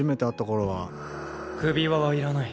首輪はいらない。